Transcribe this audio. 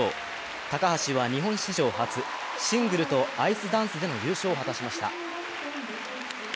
高橋は日本史上初、シングルとアイスダンスでの優勝を果たしました。